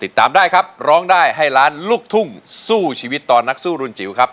ติดตามได้ครับร้องได้ให้ล้านลูกทุ่งสู้ชีวิตตอนนักสู้รุนจิ๋วครับ